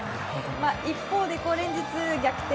一方で連日の逆転